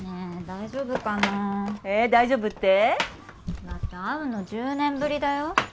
大丈夫って？だって会うの１０年ぶりだよ。